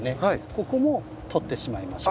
ここも取ってしまいましょう。